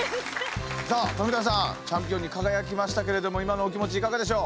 さあ富田さんチャンピオンに輝きましたけれども今のお気持ちいかがでしょう？